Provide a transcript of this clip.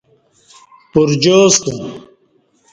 پُرجاستہ